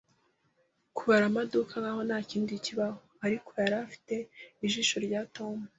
kubara amaduka nkaho ntakindi kibaho. Ariko yari afite ijisho rya Tom